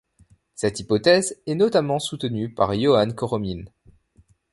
Cette hypothèse est notamment soutenu par Joan Coromines.